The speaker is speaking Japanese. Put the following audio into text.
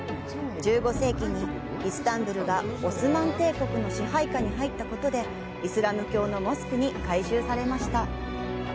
１５世紀にイスタンブールがオスマン帝国の支配下に入ったことでイスラム教のモスクに改修されました。